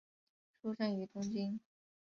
出生于东京。